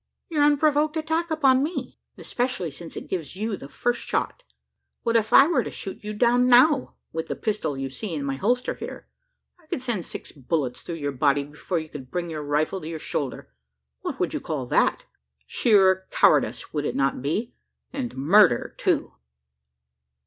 "Your unprovoked attack upon me especially since it gives you the first shot. What if I were to shoot you down now? With the pistol you see in my holster here, I could send six bullets through your body, before you could bring your rifle to your shoulder. What would you call that? Sheer cowardice, would it not be; and murder too?"